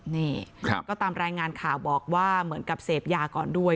นี่ก็ตามรายงานข่าวบอกว่าเหมือนกับเสพยาก่อนด้วย